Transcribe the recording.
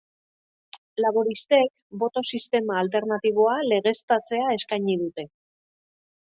Laboristek boto sistema alternatiboa legeztatzea eskaini dute.